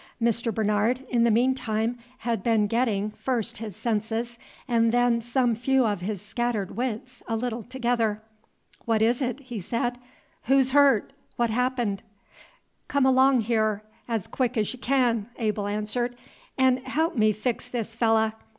Mr. Bernard, in the mean time, had been getting, first his senses, and then some few of his scattered wits, a little together. "What is it?" he said. "Who'shurt? What's happened?" "Come along here 'z quick 'z y' ken," Abel answered, "'n' haalp me fix this fellah.